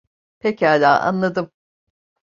Pekala, anladım.